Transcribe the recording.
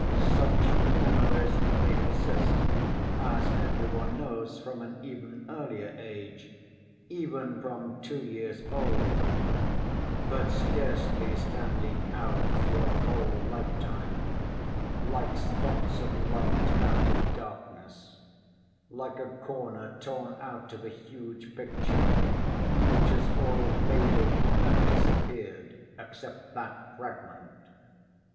Such memories may persist, as every one knows, from an even earlier age, even from two years old, but scarcely standing out through a whole lifetime like spots of light out of darkness, like a corner torn out of a huge picture, which has all faded and disappeared except that fragment.